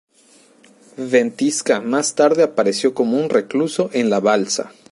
Ventisca más tarde apareció como un recluso en la Balsa.